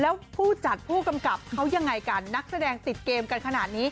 แล้วผู้จัดผู้กำกับเขายังไงกันนักแสดงติดเกมกันขนาดนี้